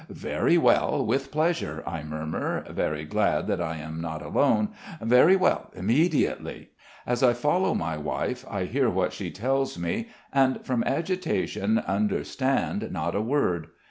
"Very well ... with pleasure," I murmur, very glad that I am not alone. "Very well ... immediately." As I follow my wife I hear what she tells me, and from agitation understand not a word.